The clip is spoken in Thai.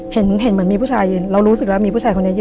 เห็นเหมือนมีผู้ชายยืนเรารู้สึกแล้วมีผู้ชายคนนี้เยอะ